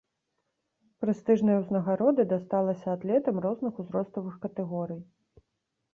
Прэстыжная ўзнагарода дасталася атлетам розных узроставых катэгорый.